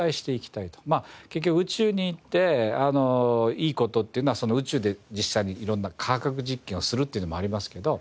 結局宇宙に行っていい事っていうのは宇宙で実際に色んな科学実験をするっていうのもありますけど。